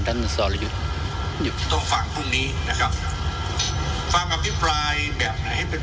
ซึ่งจะเห็นว่าหลายครั้งนี้ข้อมูลทั้งฝ่ายผู้ตอบเอง